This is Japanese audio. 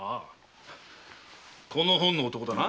この本の男だな。